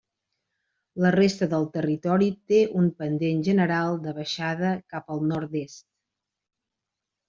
La resta del territori té un pendent general de baixada cap al nord-est.